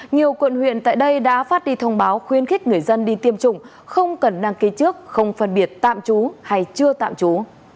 nhiều quận huyện tại đây đã phát đi thông báo khuyến khích người dân đi tiêm chủng không cần đăng ký trước không phân biệt tạm trú hay chưa tạm trú